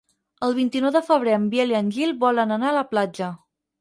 El vint-i-nou de febrer en Biel i en Gil volen anar a la platja.